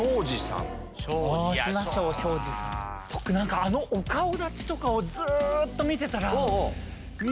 僕あのお顔立ちをずっと見てたら。